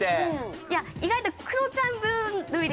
いや意外と。